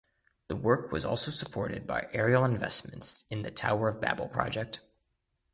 The work was also supported by Ariel Investments in the "Tower of Babel" project.